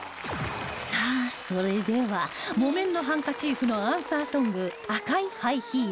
さあそれでは『木綿のハンカチーフ』のアンサーソング『赤いハイヒール』